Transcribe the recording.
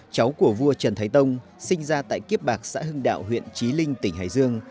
cháu của vua trần thái tông sinh ra tại kiếp bạc xã hưng đạo huyện trí linh tỉnh hải dương